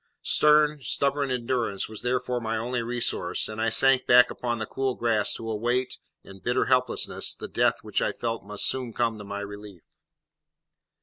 Stern, stubborn endurance was therefore my only resource, and I sank back upon the cool grass to await, in bitter helplessness, the death which I felt must soon come to my relief.